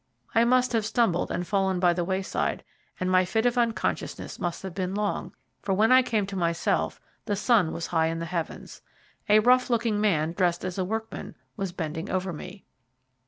I must have stumbled and fallen by the wayside, and my fit of unconsciousness must have been long, for when I came to myself the sun was high in the heavens. A rough looking man, dressed as a workman, was bending over me.